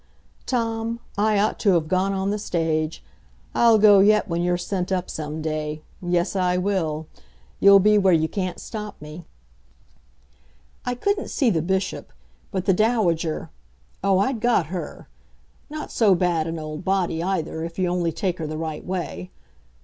Tom, I ought to have gone on the stage. I'll go yet, when you're sent up some day. Yes, I will. You'll be where you can't stop me. I couldn't see the Bishop, but the Dowager oh, I'd got her. Not so bad an old body, either, if you only take her the right way.